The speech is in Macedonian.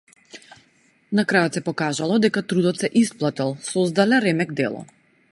На крајот се покажало дека трудот се исплател создале ремек дело!